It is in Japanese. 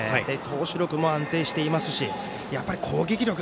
投手力も安定していますしやっぱり攻撃力。